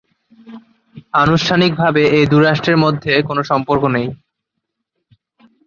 আনুষ্ঠানিকভাবে এ দুই রাষ্ট্রের মধ্যে কোনো সম্পর্ক নেই।